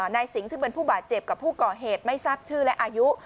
นายสิงห์ซึ่งเป็นผู้บาดเจ็บกับผู้ก่อเหตุไม่ทราบชื่อและอายุ